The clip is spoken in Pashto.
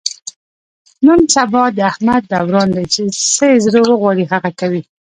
نن سبا د احمد دوران دی، چې څه یې زړه و غواړي هغه کوي.